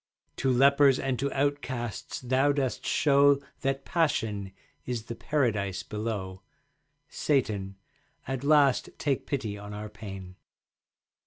To lepers and to outcasts thou dost show That Passion is the Paradise below. Satan, at last take pity on our pain.